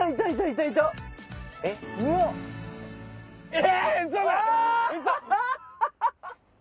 え！